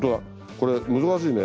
これ難しいね。